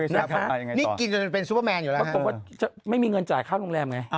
น่ากลวดไม่มีเงินกดจ่าครั้วโรงแรมไง